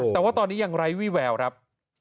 แต่ว่าตอนนี้ยังไร้วี่แววครับ